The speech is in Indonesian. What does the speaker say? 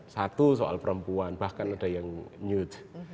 satu soal perempuan bahkan ada yang newth